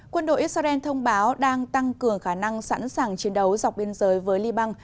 quân đội israel thông báo đang tăng cường khả năng sẵn sàng chiến đấu dọc biên giới với liban